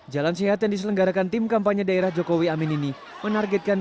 jalan sehat yang diselenggarakan tim kampanye daerah jokowi amin ini menargetkan rp dua puluh